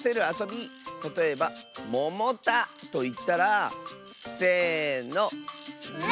たとえば「ももた」といったらせの。